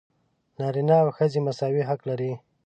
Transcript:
نارینه او ښځې مساوي حق لري.